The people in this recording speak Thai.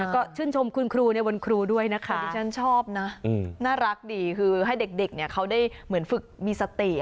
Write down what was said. ก็ชื่นชมคุณครูในวันครูด้วยนะคะที่ฉันชอบนะน่ารักดีคือให้เด็กเขาได้เหมือนฝึกมีสติ